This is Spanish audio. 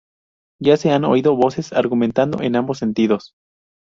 Ya se han oído voces argumentando en ambos sentidos.